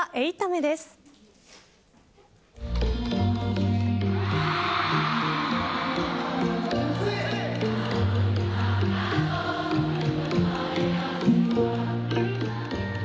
続いては、８タメです。